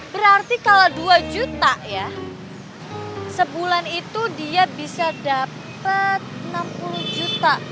berarti kalau dua juta ya sebulan itu dia bisa dapat enam puluh juta